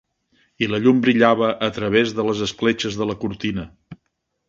I la llum brillava a través de les escletxes de la cortina.